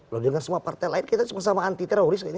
loh dengan semua partai lain kita sama sama anti teroris ini